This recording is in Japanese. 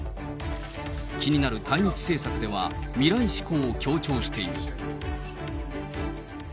気になる対日政策では未来志向を強調している。